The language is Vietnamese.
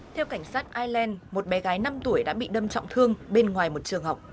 theo cảnh sát ireland một bé gái năm tuổi đã bị đâm trọng thương bên ngoài một trường học